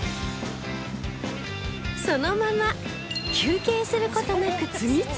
そのまま休憩する事なく次々と